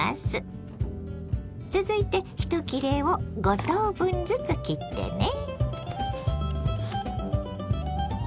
続いて１切れを５等分ずつ切ってね。